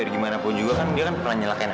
kamu gak diapapain kan